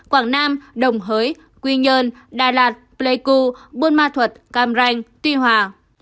quảng nam đồng hới quy nhơn đà lạt pleiku buôn ma thuật cam ranh tuy hòa